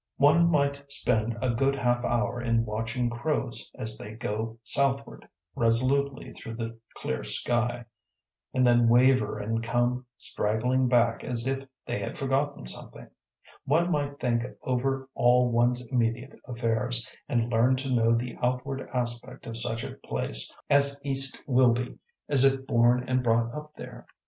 One might spend a good half hour in watching crows as they go southward resolutely through the clear sky, and then waver and come straggling back as if they had forgotten something; one might think over all one's immediate affairs, and learn to know the outward aspect of such a place as East Wilby as if born and brought up there.